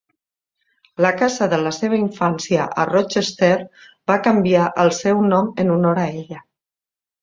La casa de la seva infància a Rochester va canviar el seu nom en honor a ella.